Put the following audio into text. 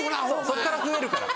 そこから増えるから。